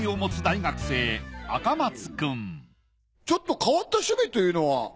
赤松くんちょっと変わった趣味というのは。